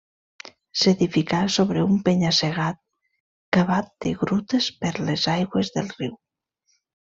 S'edificà sobre un penya-segat cavat de grutes per les aigües del riu.